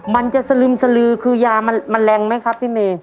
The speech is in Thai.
มันจะสลึมสลือคือยามันแรงไหมครับพี่เมย์